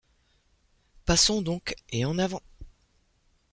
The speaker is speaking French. Passons donc, et en avant !